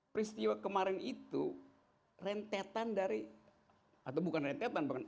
peristiwa kemarin itu rentetan dari atau bukan rentetan